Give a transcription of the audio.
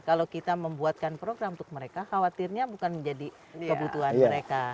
kalau kita membuatkan program untuk mereka khawatirnya bukan menjadi kebutuhan mereka